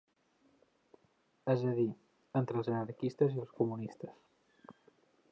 És a dir, entre els anarquistes i els comunistes